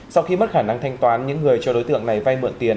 sau khi mất khả năng thanh toán những người cho đối tượng này vay mượn tiền